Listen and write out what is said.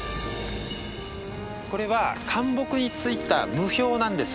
これはかん木についた霧氷なんです。